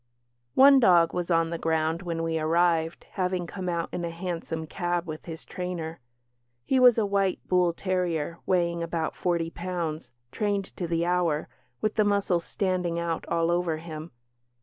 One dog was on the ground when we arrived, having come out in a hansom cab with his trainer. He was a white bull terrier, weighing about forty pounds, "trained to the hour", with the muscles standing out all over him.